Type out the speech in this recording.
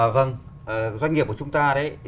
vâng doanh nghiệp của chúng ta đấy